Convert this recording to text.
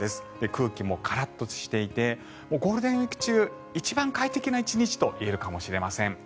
空気もカラッとしていてゴールデンウィーク中一番快適な１日と言えるかもしれません。